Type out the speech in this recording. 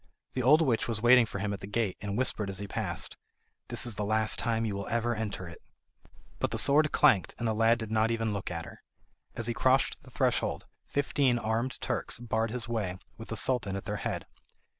The old witch was waiting for him at the gate, and whispered as he passed: "This is the last time you will ever enter it." But the sword clanked, and the lad did not even look at her. As he crossed the threshold fifteen armed Turks barred his way, with the Sultan at their head.